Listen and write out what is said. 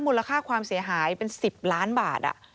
มูลค่าความเสียหายเป็น๑๐ล้านบาท